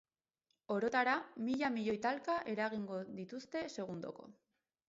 Orotara, mila milioi talka eragingo dituzte segundoko.